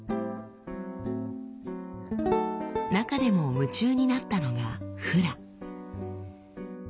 中でも夢中になったのが「フラ」。